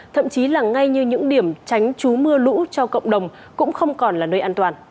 thậm chí là ngay như những điểm tránh trú mưa lũ cho cộng đồng cũng không còn là nơi an toàn